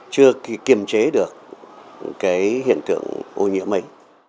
chưa kiềm chế được cái hiện tượng ô nhiễm ấy